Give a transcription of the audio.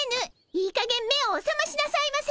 いいかげん目をおさましなさいませ！